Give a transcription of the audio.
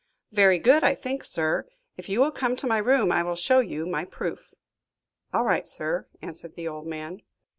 "Very good, I think, sir. If you will come to my room, I will show you my proof." "All right, sir," answered the old man.